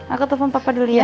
aku telepon papa dulu ya